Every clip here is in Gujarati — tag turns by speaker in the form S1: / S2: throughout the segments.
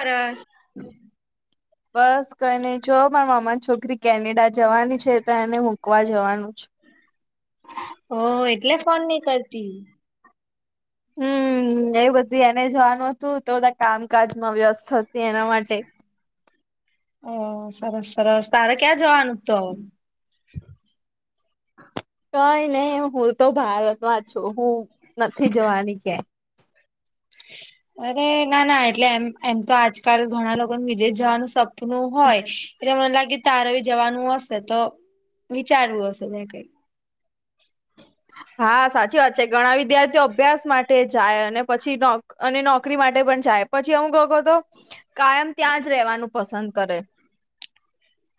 S1: સરસ.
S2: બસ કઈની જો મારા મામા ની છોકરી કેનેડા જવાની છે તો એને મૂકવા જવાનું છે.
S1: ઓ એટલે ફોન ની કરતી?
S2: હમ્મ એ બધી એને જવાનું હતું તો બધા કામકાજમાં વ્યસ્ત હતી એના માટે.
S1: ઓ સરસ સરસ તારે ક્યાં જવાનું તો?
S2: કઈ નહી હું તો ભારતમાં છું હું નથી જવાની કયાય.
S1: અરે ના ના એટલે એમ એમ તો આજકાલ ઘણા લોકોને વિદેશ જવાનું સપ પનું હોય, એટલે મને લાગ્યું કે તારે બી જવાનું હશે તો વિચારવું હશે મે કઈ?
S2: હા સાચી વાત છે, ઘણા વિદ્યાર્થીઓ અભ્યાસ માટે જાય અને પછી નો અને નોકરી માટે પણ જાય પછી અમુક લોકો તો કાયમ ત્યાં જ રહેવાનું પસંદ કરે.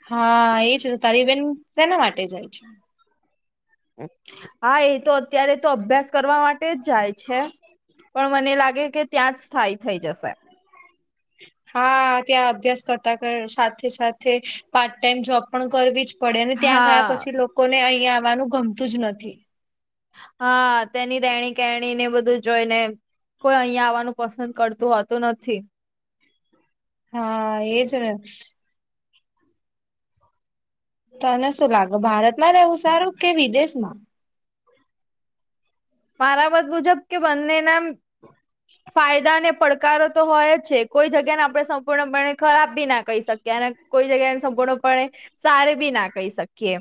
S1: હા એજ ને તારી બેન શેના માટે જાય છે?
S2: હા એ તો અત્યારે તો અભ્યાસ કરવા માટે જ જાય છે. પણ મને લાગે કે ત્યાં જ સ્થાયી થયી જશે.
S1: હા ત્યાં અભ્યાસ કરતા કર સાથે સાથે પાર્ટ ટાઈમ જોબ પણ કરવી જ પડે અને ત્યાં ગયા
S2: હા
S1: પછી લોકોને અહીંયા આવવાનું ગમતું જ નથી.
S2: હા તેની રહેણી કરણી ને બધું જોઈને કોઈ અહીં આવવાનું પસંદ કરતું હોતું નથી.
S1: હા એ જ ને. તને શું લાગે ભારતમાં રહેવું સારું કે વિદેશમાં?
S2: મારા મત મુજબ કે બંને ના ફાયદા અને પડકારો તો હોય જ છે કોઈ જગ્યાને આપણે સંપૂર્ણપણે ખરાબ બી ના કહી શકીએ અને કોઈ જગ્યાને સંપૂર્ણપણે સારી બી ના કહી શકીએ.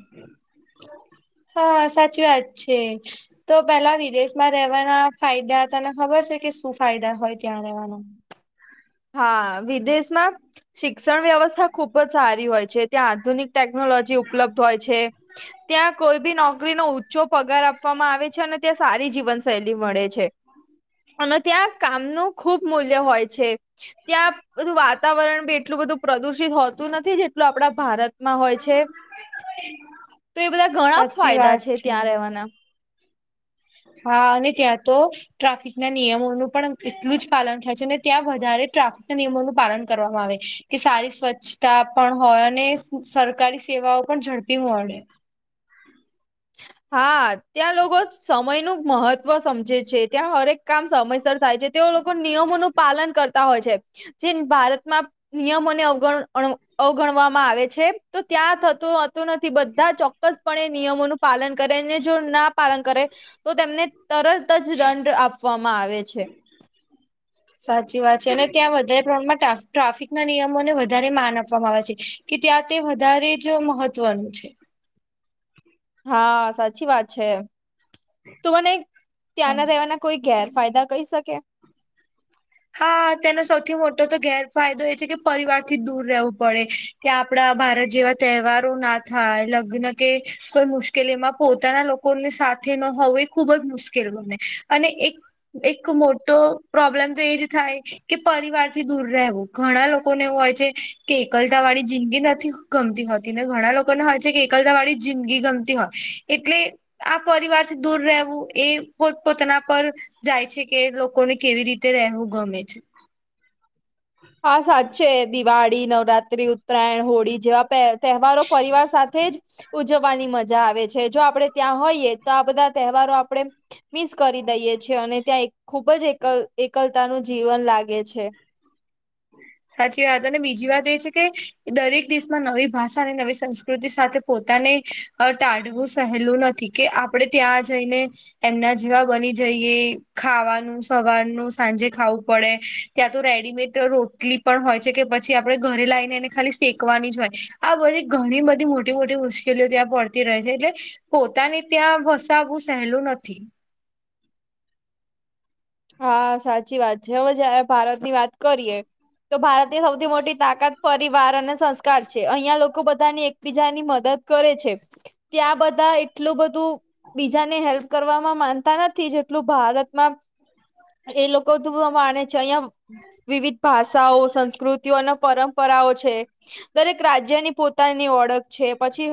S1: હા સાચી વાત છે. તો પેલા વિદેશમાં રહેવાના ફાયદા હતા તને ખબર છે કે શું ફાયદા હોય ત્યાં રહેવાના?
S2: હા, વિદેશમાં શિક્ષણ વ્યવસ્થા ખુબ જ સારી હોય છે ત્યાં આધુનિક ટેકનોલોજી ઉપલબ્ધ હોય છે. ત્યાં કોઈ બી નોકરીનો ઊંચો પગાર આપવામાં આવે છે અને ત્યાં સારી જીવનશૈલી મળે છે. છે અને ત્યાં કામનું ખુબ મૂલ્ય હોય છે. ત્યાં બધું વાતાવરણ બી એટલું બધું પ્રદુષિત હોતું નથી જેટલું આપણા ભારત માં હોય છે. તો એ બધા ઘણા
S1: સાચી
S2: ફાયદા
S1: વાત
S2: છે ત્યાં રહેવાના.
S1: હા અને ત્યાં તો ટ્રાફિક ના નિયમોનું પણ એટલું જ પાલન થાય છે અને ત્યાં વધારે ટ્રાફિક ના નિયમોનું પાલન કરવામાં આવે. કે સારી સ્વચ્છતા પણ હોય અને સરકારી સેવાઓ પણ ઝડપી મળે.
S2: હા ત્યાં લોકો સમય નું મહત્વ સમજે છે ત્યાં હરેક કામ સમયસર થાય છે તેઓ લોકો નિયમોનું પાલન કરતા હોય છે જે ભારતમાં નિયમોને અવગણ અવગણવામાં આવે છે તો ત્યાં થતું હોતું નથી બધા ચોક્કસપણે નિયમોનું પાલન કરેને જો ના પાલન કરે તો તેમને તરત જ દંડ આપવામાં આવે છે.
S1: [inaudible] સાચી વાત છે અને ત્યાં વધારે પ્રમાણમાં ટ્રા ટ્રાફિક ના નિયમોને વધારે માન આપવામાં આવે છે. કે ત્યાં તે વધારે જો મહત્વનું છે.
S2: હા સાચી વાત છે. તું મને
S1: હા.
S2: ત્યાંના રહેવાના કોઈ ગેરફાયદા કહી શકે?
S1: હા તેનો સૌથી મોટો તો ગેરફાયદો એ છે કે પરિવાર થી દૂર રહેવું પડે. કે આપડા ભારત જેવા તહેવારો ના થાય લગ્ન કે કોઈ મુશ્કેલીમાં પોતાના લોક લોકો ને સાથે ન હોવું એ ખૂબ જ મુશ્કેલ બને અને એક એક મોટો પ્રોબ્લેમ તો એ જ થાય કે પરિવાર થી દૂર રહેવું ઘણા લોકોને એવું હોય છે કે એકલતા વાળી જિંદગી નથી ગમતી હોતી ને ઘણા લોકોને હોય છે કે એકલતા વાળી જિંદગી ગમતી હોય એટલે આ પરિવારથી દૂર રહેવું એ પોત પોતાના પર જાય છે કે લોકોને કેવી રીતે રહેવું ગમે છે.
S2: હા સાચે દિવાળી, નવરાત્રી, ઉત્તરાયણ, હોળી જેવા પ તહેવારો પરિવાર સાથે જ ઉજવવાની મજા આવે છે. જો આપણે ત્યાં હોઈએ તો આ બધા તહેવારો આપણે મિસ કરી દઈએ છીએ અને ત્યાં એક ખુબ જ એક એકલતા નું જીવન લાગે છે.
S1: સાચી વાત અને બીજી વાત એ છે કે દરેક દેશમાં નવી ભાષા અને નવી સંસ્કૃતિ સાથે પોતાને ટાળવું સહેલું નથી. કે આપણેે ત્યાં જઈને એમના જેવા બની જઈએ ખાવાનું સવારનું સાંજે ખાવું પડે. ત્યાં તો રેડીમેડ રોટલી પણ હોય છે, કે પછી આપણેે ઘરે લાઈને એને ખાલી શેકવાની જ હોય. આ બધી ઘણી બધી મોટી મોટી મુશ્કેલી મુકેલીઓ ત્યાં પડતી રહે છે. એટલે પોતાની ત્યાં વસાવું સહેલું નથી.
S2: હા, સાચી વાત છે. હવે, જયારે ભારતની વાત કરીએ. તો ભારતની મોટી તાકાત અને સંસ્કાર છે. અહિયાં લોકો બધાની બીજાની મદદ કરે છે, ત્યાં બધા એટલું બધું બીજાને હેલ્પ કરવામાં માનતા નથી, જેટલું ભારતમાં એ માને છે. અહિયાં વિવિધ સા સંસ્કૃતિઓ અને પરંપરાઓ છે. દરેક રાજ્યની પોતાની ઓળખ છે. પછી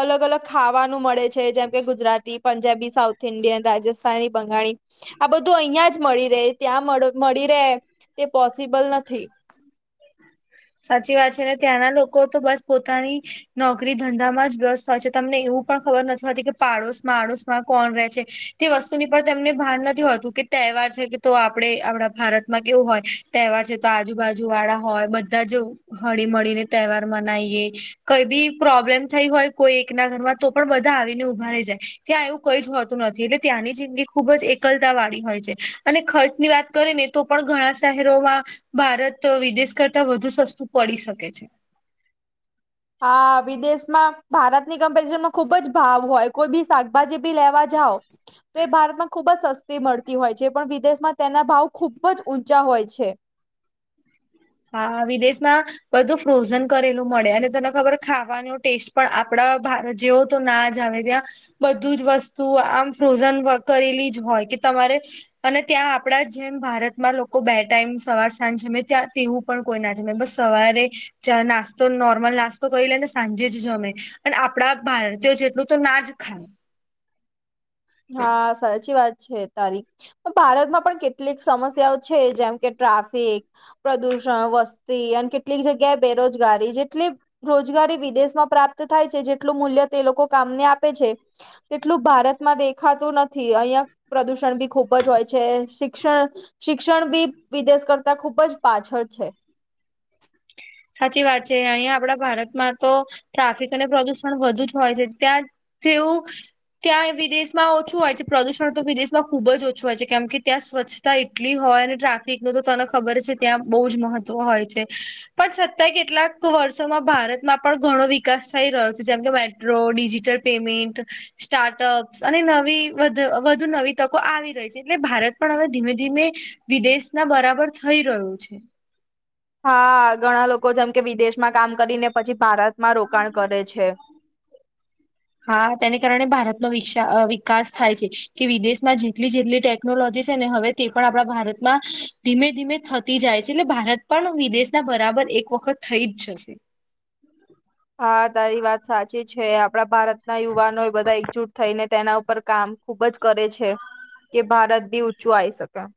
S2: અલગ અલગ ખાવાનું મળે. જેમ કે ગુજરાતી, પંજાબી, સાઉથ ઇન્ડિયન, રાજસ્થાની, બંગાળી આ બધું ધું અહિયાં જ મળી રહે, ત્યાં મળી રહે. તે પોસિબલ નથી.
S1: સાચી વાત છે. ને, ત્યાંના લોકો તો બસ પોતાની નોકરી ધંધામાં જ વ્યસ્ત હોય છે. તમને એવું પણ ખબર નથી હોતી કે પાડોશ આડોશમાં કોણ રહે છે. તે વસ્તુની પણ તેમને ભાન નથી હોતું કે તહેવાર છે, કે તો આપણે, આપણા ભારતમાં કેવું હોય. તહેવાર છે, તો આજુબાજુ વાળા હોય. બધા જ હળીમળીને તહેવાર મનાવીએ. કઈ બી પ્રોબ્લેમ થઈ હોય, કોઈ એકના ઘરમાં તો પણ બધા આવીને ઊભા રહી જાય. ત્યાં એવું કઈ જ હોતું નથી. એટલે ત્યાંની જિંદગી ખુબ જ એકલતા વાળી હોય છે અને ખર્ચની વાત કરીેને તો પણ ઘણા શહેરોમાં ભારત, વિદેશ કરતા વધુ સસ્તું પડી શકે છે.
S2: હા, વિદેશમાં ભારતની કમ્પેરિઝનમાં ખુબ જ ભાવ હોય. કોઈ બી શાકભાજી બી લેવા જાવ તો એ ભારતમાં ખુબ જસ્ત મળતી હોય છે, પણ વિદેશમાં તેના ભાવ ખુબ જ ઊંચા હોય છે.
S1: હા, વિદેશમાં બધું ફ્રોઝન કરેલું મળે અને તને ખબર ખાવાનો ટેસ્ટ પણ આપણા જેવ તો ના જ આવે, ત્યાં બધું જ વસ્તુ આમ ફ્રોઝન કરેલી જ હોય કે તમારે અને ત્યાં જેમ ભારતમાં લોકો ટાઈમ સવાર સાંજ જમે. ત્યાં તેવું પણ કોઈ ના જમે. બસ સવારે નાસ્તો નોર્મલ નાસ્તો કરી લે ને, સાંજે જ જમે. અને આપણા ભારતીયો જેટલું તો ના જ ખાય.
S2: હા, સાચી વાત છે. તારી પણ ભારતમાં પણ કેટલી કેટલીક સમસ્યાઓ છે. જેમ કે ટ્રાફિક પ્રદૂષણ વસ્તી અને કેટલીક જગ્યાએ બેરોજગારી જેટલી રોજગારી વિદેશમાં પ્રાપ્ત થાય છે, જેટલું મૂલ્ય તે લોકો કામને આપે છે. કેટલું ભારત- માં દેખાતું નથી. અહિયાં પ્રદુષણ બી ખુબ જ હોય છે. શિક્ષણ શિક્ષણ બી વિદેશ કરતા ખુબ જ પાછળ છે.
S1: સાચી વાત છે. અહીયાંયા આપણા ભારતમાં ટ્રાફિક અને પ્રદુષણ વધુ જ છે, ત્યાં જેવું, ત્યાં વિદેશમાં ઓછું હોય છે. પ્રદુષણ તો વિદેશ ખુબ જ ઓછો હોય છે. કેમ કે ત્યાં સ્વચ્છતા એટલી હોય અને ટ્રાફિકનો તો તને ખબર છે, ત્યાં બહુ જ મહત્વ તો હોય છે. પણ છતાંય કેટલાક વર્ષોમાં ભારતમાં પણ ઘણો વિકાસ થઈ રહ્યો છે. જેમ કે મે ડિજિટલ પેમેન્ટ સ્ટાર્ટઅપ્સ અને વધુ નવી તકો આવી રહી છે. એટલે ભારત પણ હવે ધીમે બરાબર થઈ રહ્યો છે.
S2: હા, ઘણા લોકો જેમ કે વિદેશમાં કામ કરીને, પછી ભારતમાં રોકાણ કરે છે.
S1: હા, તેને કારણે ભારતનો વિક વિકાસ થાય છે. કે વિદેશમાં જેટલી જેટલી ટેકનોલોજી છે ને, હવે તે પણ ભારતમાં ધીમે ધીમે થતી જાય છે. એટલે ભારત પણ વિદેશના એક વખત થઈ જ જશે.
S2: હા, તારી વાત સાચી છે. આપણા ભારતના યુવાનો બધા એકજુટ થઈને તેના ઉપર કામ ખુબ જ કરે છે, કે ભારત બી ઊંચું આવી શકે.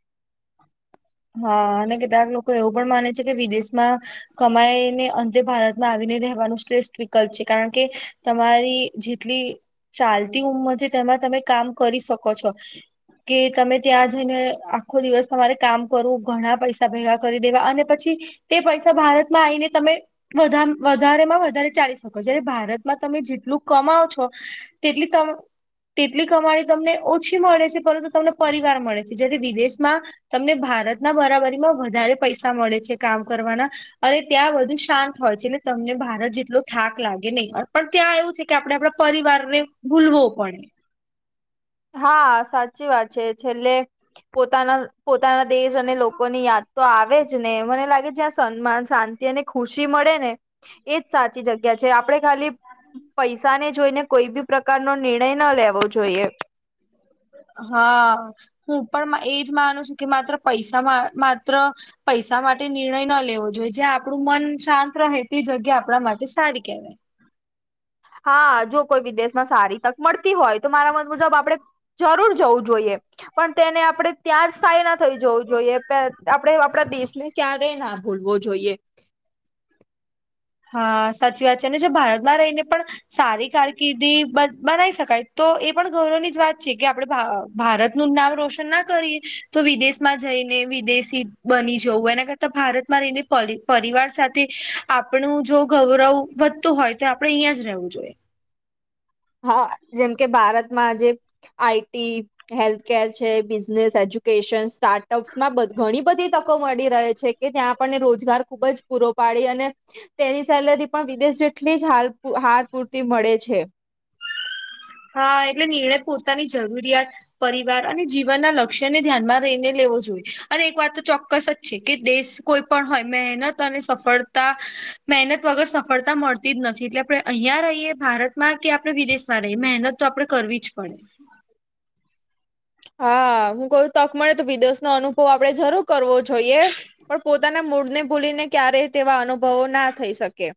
S1: હા અને કેટલાક લોકો એવું પણ માને છે કે વિદેશમાં કમાઈને અંતે ભારતમાં આવીને રહેવાનું શ્રેષ્ઠ વિકલ્પ છે કારણ કે તમારી જેટલી ચાલતી ઉંમર છે તેમાં તમે કામ કરી શકો છો. કે તમે ત્યાં જઈને આખો દિવસ તમારે કામ કરવું ઘણા પૈસા ભેગા કરી દેવા અને પછી તે પૈસા ભારતમાં આવીને તમે વધારેમાં વધારે ચાલી શકો જ્યારે ભારતમાં તમે જેટલું કમાવો છો તેટલી તમ તેટલી કમાણી તમને ઓછી મળે છે પરંતુ તમને પરિવાર મળે છે જ્યારે વિદેશમાં તમને ભારતના બરાબરીમાં વધારે પૈસા મળે છે કામ કરવાના અને ત્યાં બધુ શાંત હોય છે એટલે તમને ભારત જેટલો થાક લાગે નહીં પણ ત્યાં એવું છે. કે આપણે આપણા પરિવારને ભૂલવો પડે.
S2: હા સાચી વાત છે છેલ્લે પોતાના પોતાના દેશ અને લોકોની યાદ તો આવે જ ને મને લાગે જ્યાં સન્માન શાંત તેને ખુશી મળે ને એજ સાચી જગ્યા છે આપણે ખાલી પૈસાને જોઈને કોઈ બી પ્રકારનો નિર્ણય ન લેવો જોઈએ.
S1: હા હું પણ એજ માનું છું કે માત્ર પૈસા માત્ર પૈસા માટે નિર્ણય ન લેવો જોઈએ જ્યાં આપણું મન શાંત રહે તે જગ્યા આપણા માટે સારી કહેવાય.
S2: હા જો કોઈ વિદેશમાં સારી તક મળતી હોય તો મારા મત મુજબ આપડે જરૂર જવું જોઈએ પણ તેને આપડે ત્યાં જ સ્થાય ના થઈ જવું જોઈએ. [unintelligible] આપડે આપણા દેશને ક્યારે ના ભૂલવો જોઈએ.
S1: હા સાચી વાત છે અને જો ભારતમાં રહીને પણ સારી કારકિર્દી બ બનાવી શકાય તો એ પણ ગૌરવની જ વાત છે કે આપડે ભા ભારતનું જ નામ રોશન ના કરીએ તો વિદેશ માં જઈને વિદેશી બની જવું એના કર તો ભારતમાં રહીને પરી પરિવાર સાથે આપ આપણું જો ગૌરવ વધતું હોય તો આપડે અહિયાં જ રહેવું જોઈએ.
S2: હા જેમ કે ભારતમાં આજે આઈ ટી હેલ્થકેર છે બિઝનેસ, એજ્યુકેશન સ્ટાર્ટઅપ્સમાં ઘણી બધી તકો મળી રહે છે. કે ત્યાં આપણને રોજગાર ખુબ જ પૂરો પાડી અને તેની સેલરી પણ વિદેશ જેટલી જ હાલ હાર પૂરતી મળે છે.
S1: હા એટલે નિર્ણય પોતાની જરૂરિયાત પરિવાર અને જીવનના લક્ષ્યને ધ્યાનમાં રહીને લેવો જોઈએ અને એક વાત તો ચોક્કસ જ છે કે દેશ કોઈ પણ હોય મહેનત અને સફળતા મહેનત વગર સફળતા મળ તી જ નથી એટલે આપણે અહિયાં રહીએ ભારતમાં કે આપણે વિદેશમાં રહીએ મહેનત તો આપણે કરવી જ પડે.
S2: હા હું કોઈ તક મળે તો વિદેશ નો અનુભવ આપડે જરૂર કરવો જોઈએ. પણ પોતાના મૂળને ભૂલીને ક્યારેય તેવા અનુભવો ના થઈ શકે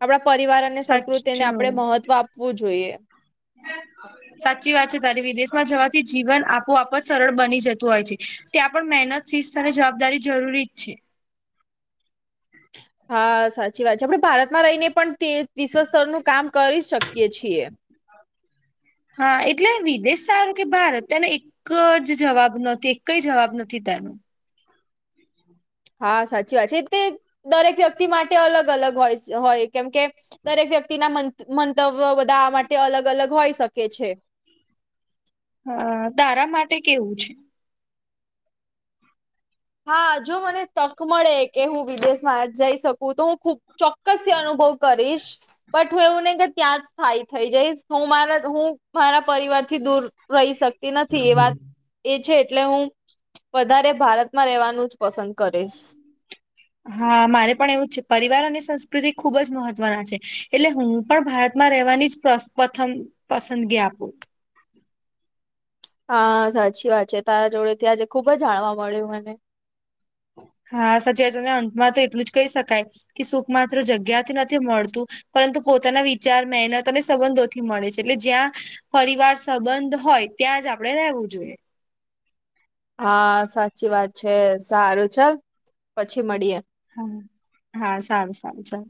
S2: આપણા પરિવાર અને સંસ્કૃતિને
S1: સાચું
S2: આપણેે મહત્વ આપવું જોઈએ.
S1: [inaudible] [inaudible] સાચી વાત છે તારી વિદેશમાં જવાથી જીવન આપોઆપ જ સરળ બની જતું હોય છે. ત્યાં પણ મહેનત શિસ્ત અને જવાબદારી જરૂરી જ છે.
S2: હા સાચી વાત છે આપડે ભારતમાં રહીને પણ તે વિશ્વ સ્તરનું કામ કરી શકીએ છીએ.
S1: હા એટલે વિદેશ સારું કે ભારત તેને એ ક જ જવાબ નથી એકઈ જવાબ નથી તારો.
S2: હા સાચી વાત છે તે દરેક વ્યક્તિ માટે અલગ અલગ હોય સ હોય કેમ કે દરેક વ્યક્તિના મંત મંતવ્ય બધા માટે અલગ અલગ હોઈ શકે છે.
S1: હા તારા માટે કેવું છે.
S2: હા જો મને તક મળે કે હું વિદેશમાં જઈ શકું તો હું ખુબ ચોક્કસથી અનુભવ કરીશ. બટ હું એવું નહી કે ત્યાં જ સ્થાયી થઈ જઈશ હું મારા હું મારા પરિવાર થી દૂર- રહી શકતી નથી એ વાત એ છે એટલે હું વધારે ભારત- માં રેવાનુંજ પસંદ કરીશ.
S1: હા મારે પણ એવું જ છે પરિવાર અને સંસ્કૃતિ ખુબ જ મહત્વના છે એટલે હું પણ ભારતમાં રહેવાનીજ- [unintelligible] પ્રથમ પસંદગી આપું.
S2: હા સાચી વાત છે તારા જોડેથી આજે ખુબજ જાણવા મળ્યું મને.
S1: હા સાચી વાત છે ને અંતમાં તો એટલું જ કહી શકાય કે સુખ માત્ર જગ્યા થી નથી મળતું- પરંતુ પોતાના વિચાર મહેનત અને સંબંધોથી મળે છે એટલે જ્યાં- પરિવાર સંબંધ હોય ત્યાંજ આપડે રહેવું જોઈએ.
S2: હા સાચી વાત છે સારું ચલ પછી મળીએે.
S1: હા સારું સારું ચલ.